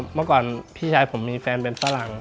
เมื่อก่อนพี่ชายผมมีแฟนเป็นฝรั่ง